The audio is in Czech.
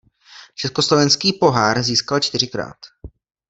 Československý pohár získal čtyřikrát.